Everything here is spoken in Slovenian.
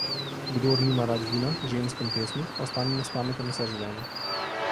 Kdor nima rad vina, žensk in pesmi, ostane nespameten vse življenje.